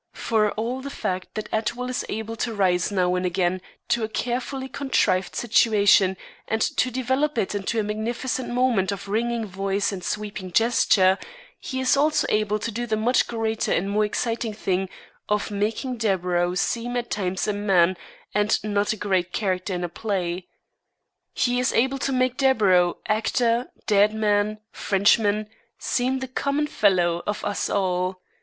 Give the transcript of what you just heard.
For all the fact that Atwill is able to rise now and again to a carefully contrived situation and to develop it into a magnificent moment of ringing voice and sweeping gesture, he is also able to do the much greater and more exciting thing of making Deburau seem at times a man and not a great character in a play. He is able to make Deburau, actor, dead man, Frenchman, seem the common fellow of us all.